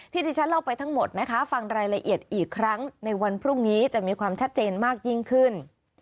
ที่ที่ฉันเล่าไปทั้งหมดนะคะฟังรายละเอียดอีกครั้งในวันพรุ่งนี้จะมีความชัดเจนมากยิ่งขึ้น